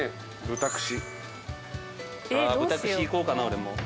豚串いこうかな俺も。